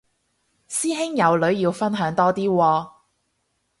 師兄有女要分享多啲喎